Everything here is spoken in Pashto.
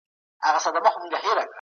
تعليم د ټولنيز ژوند برخه ده.